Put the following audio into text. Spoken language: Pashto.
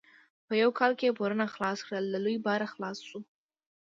په یو کال یې پورونه خلاص کړل؛ له لوی باره خلاص شو.